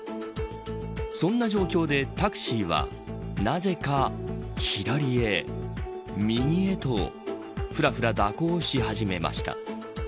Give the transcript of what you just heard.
そんな状況でタクシーはなぜか左へ右へとふらふら蛇行し始めました。